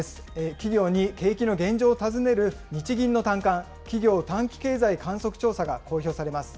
企業に景気の現状を尋ねる日銀の短観・企業短期経済観測調査が公表されます。